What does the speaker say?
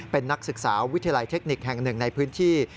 เป็นนักศึกษาวิทยาลัยเทคนิคแห่งหนึ่งในพื้นที่